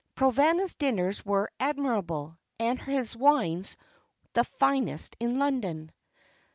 "Provana's dinners were admirable, and his wines the finest in London."